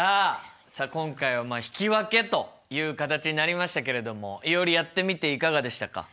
さあ今回は引き分けという形になりましたけれどもいおりやってみていかがでしたか？